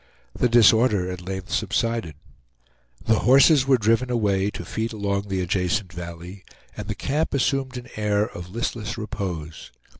The disorder at length subsided. The horses were driven away to feed along the adjacent valley, and the camp assumed an air of listless repose.